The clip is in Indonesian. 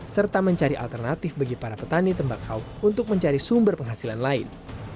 serta mencari alternatif bagi para petani tembakau untuk mencari sumber penghasilan lain